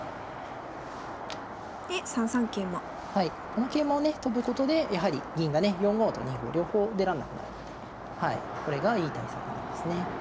この桂馬をね跳ぶことでやはり銀がね４五と２五両方出られなくなるのでこれがいい対策なんですね。